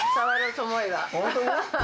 本当に？